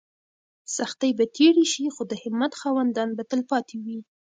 سختۍ به تېرې شي خو د همت خاوندان به تل پاتې وي.